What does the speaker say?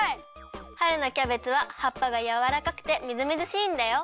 はるのキャベツははっぱがやわらかくてみずみずしいんだよ！